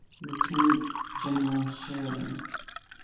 ] LIEUTENANT GENERAL SHERIDAN.